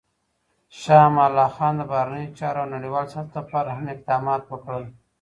شاه امان الله خان د بهرنیو چارو او نړیوال سیاست لپاره هم اقدامات وکړل.